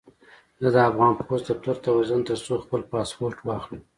زه د افغان پوسټ دفتر ته ورځم، ترڅو خپل پاسپورټ واخلم.